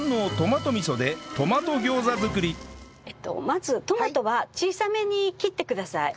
まずトマトは小さめに切ってください。